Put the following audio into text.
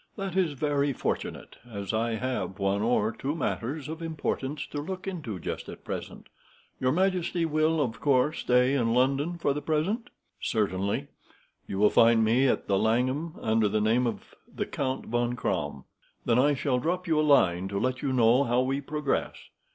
"That is very fortunate, as I have one or two matters of importance to look into just at present. Your majesty will, of course, stay in London for the present?" "Certainly. You will find me at the Langham, under the name of the Count von Kramm." "Then I shall drop you a line to let you know how we progress."